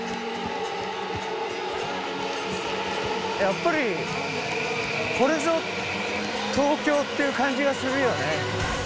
やっぱりこれぞ東京っていう感じがするよね！